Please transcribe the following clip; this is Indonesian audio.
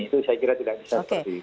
itu saya kira tidak bisa seperti itu